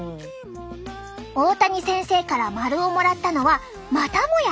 大谷先生からマルをもらったのはまたもや